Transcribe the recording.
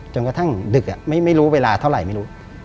จนกระทั่งดึกไม่รู้เวลาเท่าไหร่